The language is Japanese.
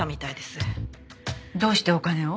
どうしてお金を？